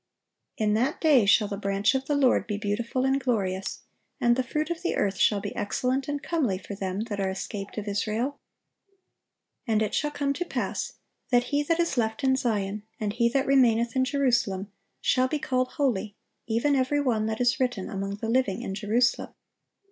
(864) "In that day shall the branch of the Lord be beautiful and glorious, and the fruit of the earth shall be excellent and comely for them that are escaped of Israel. And it shall come to pass, that he that is left in Zion, and he that remaineth in Jerusalem, shall be called holy, even every one that is written among the living in Jerusalem."